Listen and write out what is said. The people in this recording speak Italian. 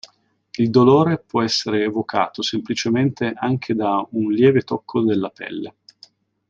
Il dolore può essere evocato semplicemente anche da un lieve tocco della pelle.